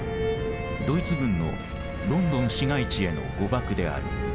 ドイツ軍のロンドン市街地への誤爆である。